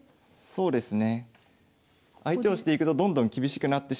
そうですね